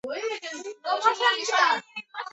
وګړي د افغانستان د جغرافیایي موقیعت پایله ده.